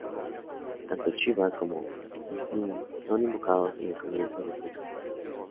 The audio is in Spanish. Tanto Shiva como Vishnu son invocados en el comienzo de sus registros.